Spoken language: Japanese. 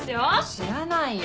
知らないよ。